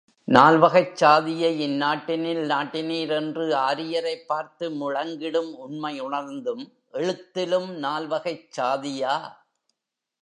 நால்வகைச் சாதியை இந்நாட்டினில் நாட்டினீர், என்று ஆரியரைப் பார்த்து முழங்கிடும் உண்மையுணர்ந்தும், எழுத்திலும் நால்வகைச் சாதியா?